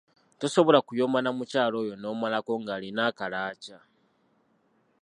Tosobola kuyomba na mukyala oyo n’omalako ng’alina akalaaca!